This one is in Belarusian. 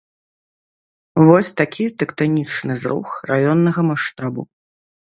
Вось такі тэктанічны зрух раённага маштабу.